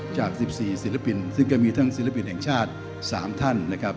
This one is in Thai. จาก๑๔ศิลปินซึ่งก็มีทั้งศิลปินแห่งชาติ๓ท่านนะครับ